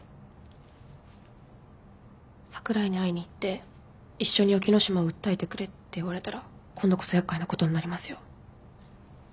櫻井に会いに行って一緒に沖野島を訴えてくれって言われたら今度こそ厄介なことになりますよ。